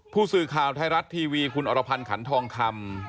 ผู้สื่อข่าวไทยรัฐทีวีคุณอรพันธ์ขันทองคำ